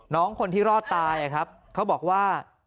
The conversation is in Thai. น้องคนที่รอดตายครับเขาบอกว่า